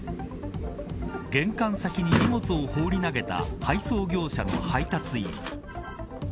玄関先に荷物を放り投げた配送業者の配達員。